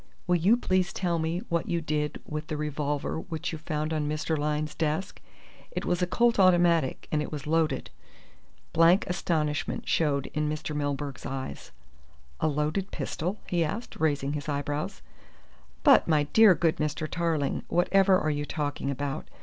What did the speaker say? "Will you please tell me what you did with the revolver which you found on Mr. Lyne's desk? It was a Colt automatic, and it was loaded." Blank astonishment showed in Mr. Milburgh's eyes. "A loaded pistol?" he asked, raising his eyebrows, "but, my dear good Mr. Tarling, whatever are you talking about?